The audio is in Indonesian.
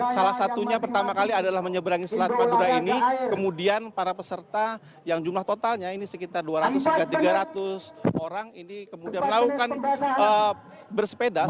salah satunya pertama kali adalah menyeberangi selat madura ini kemudian para peserta yang jumlah totalnya ini sekitar dua ratus hingga tiga ratus orang ini kemudian melakukan bersepeda